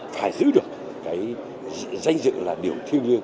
phải giữ được cái dành dự là điều